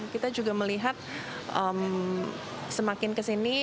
kita juga melihat semakin kesini